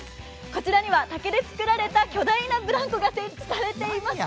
こちらには竹で作られた巨大なブランコが設置されています。